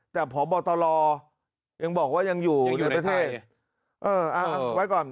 แต่พบตรยังบอกว่ายังอยู่อยู่ประเทศเออเอาไว้ก่อน